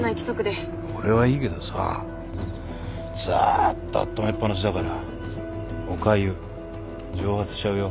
俺はいいけどさずっとあっためっ放しだからおかゆ蒸発しちゃうよ。